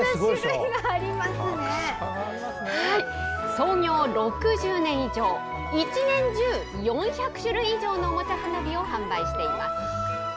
創業６０年以上、一年中、４００種類以上のおもちゃ花火を販売しています。